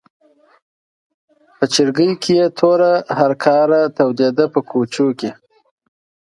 په چرګۍ کې یې توره هرکاره تودېده په کوچو کې.